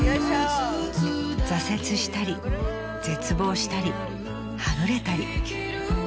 ［挫折したり絶望したりはぐれたり］